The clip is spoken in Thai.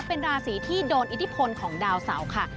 เป็นราศีที่โดนอิทธิพลของดาวเสาค่ะ